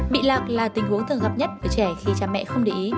bị lạc là tình huống thường gặp nhất ở trẻ khi cha mẹ không để ý